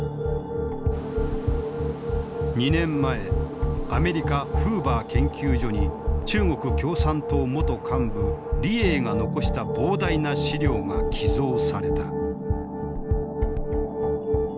２年前アメリカ・フーバー研究所に中国共産党元幹部李鋭が残した膨大な資料が寄贈された。